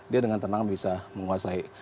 dia dengan tenang bisa menguasai